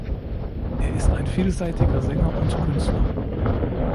Er ist ein vielseitiger Sänger und Künstler.